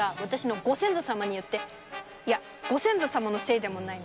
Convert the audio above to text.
いやご先祖様のせいでもないな。